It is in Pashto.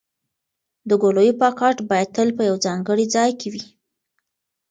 د ګولیو پاکټ باید تل په یو ځانګړي ځای کې وي.